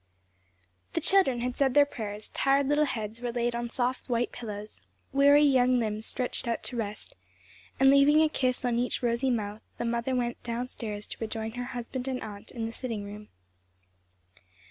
THE children had said their prayers, tired little heads were laid on soft white pillows, weary young limbs stretched out to rest, and leaving a kiss on each rosy mouth, the mother went down stairs to rejoin her husband and aunt in the sitting room.